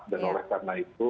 dan oleh karena itu